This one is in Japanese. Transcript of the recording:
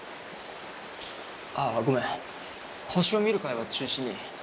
あっごめん星を見る会は中止に。